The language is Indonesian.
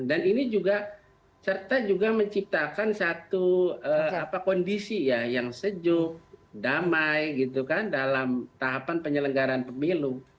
dan ini juga serta juga menciptakan satu kondisi ya yang sejuk damai gitu kan dalam tahapan penyelenggaran pemilu